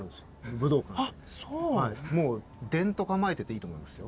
もうでんと構えてていいと思いますよ。